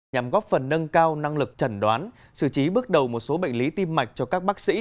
nhằm góp phần nâng cao năng lực trần đoán xử trí bước đầu một số bệnh lý tim mạch cho các bác sĩ